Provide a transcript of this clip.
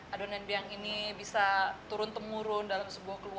adonan biang ini bisa turun temurun dalam sebuah keluarga